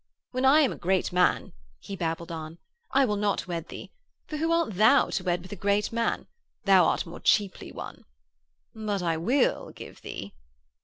'When I am a great man,' he babbled on, 'I will not wed thee, for who art thou to wed with a great man? Thou art more cheaply won. But I will give thee....'